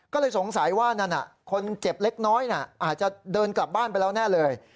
ก็เลยสงสัยว่านั่นคนเจ็บเล็กน้อยอาจจะเดินกลับบ้านไปแล้วแน่เลย